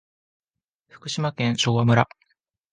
福島県昭和村